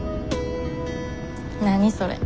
何それ。